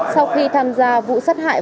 sau khi tham gia vụ sát hại